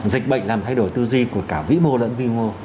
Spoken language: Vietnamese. dịch bệnh là một thay đổi tư duy của cả vĩ mô lẫn vĩ mô